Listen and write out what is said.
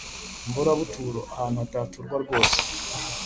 mburabuturo: ahantu hataturwa rwose